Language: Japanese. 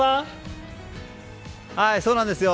そうなんですよ。